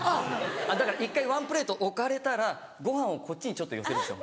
だから１回ワンプレート置かれたらご飯をこっちにちょっと寄せるんですよ。